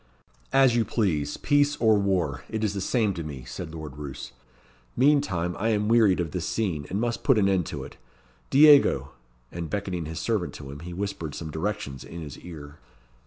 "As you please peace or war; it is the same to me," said Lord Roos. "Meantime, I am wearied of this scene, and must put an end to it. Diego!" And beckoning his servant to him, he whispered some directions in his ear.